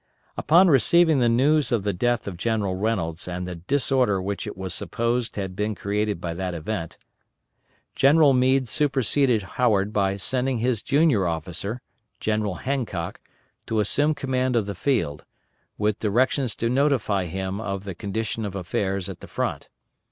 Upon receiving the news of the death of General Reynolds and the disorder which it was supposed had been created by that event, General Meade superseded Howard by sending his junior officer, General Hancock, to assume command of the field, with directions to notify him of the condition of affairs at the front.